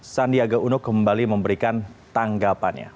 sandiaga uno kembali memberikan tanggapannya